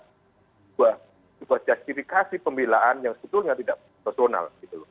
untuk justifikasi pembelaan yang sebetulnya tidak personal